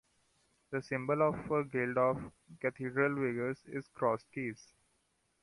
The symbol of a guild of cathedral vergers is the crossed keys.